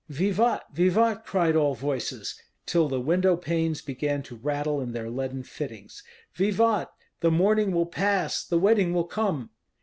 "Vivat! vivat!" cried all voices, till the window panes began to rattle in their leaden fittings. "Vivat! the mourning will pass, the wedding will come!"